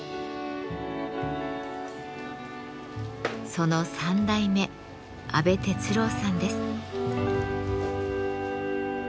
その３代目安倍哲郎さんです。